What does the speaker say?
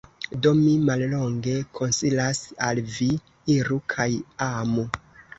Do mi, mallonge, konsilas al Vi: Iru kaj amu!